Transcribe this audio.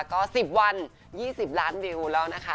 ก็๑๐วัน๒๐ล้านวิวแล้วนะคะ